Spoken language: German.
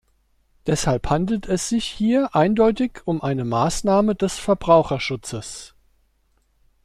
Deshalb handelt es sich hier eindeutig um eine Maßnahme des Verbraucherschutzes.